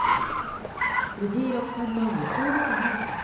藤井六冠の２勝目となるか。